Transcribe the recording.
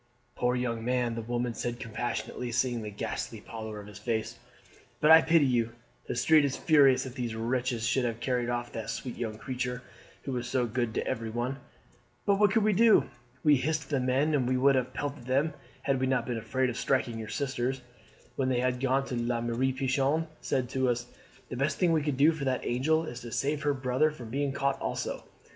"Poor young man," the woman said compassionately, seeing the ghastly pallor of his face, "but I pity you. The street is furious that these wretches should have carried off that sweet young creature, who was so good to everyone; but what could we do? We hissed the men, and we would have pelted them had we not been afraid of striking your sisters. When they had gone La Mere Pichon said to some of us, 'The best thing we can do for that angel is to save her brother from being caught also.